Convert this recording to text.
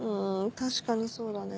確かにそうだね。